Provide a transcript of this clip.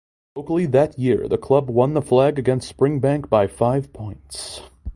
Locally that year the club won the flag against Springbank by five points.